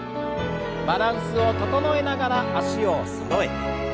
バランスを整えながら脚をそろえて。